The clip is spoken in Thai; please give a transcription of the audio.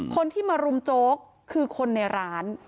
คนที่มารุมโจ๊กคือคนในร้าน